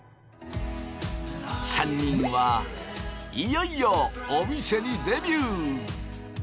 ３人はいよいよお店にデビュー。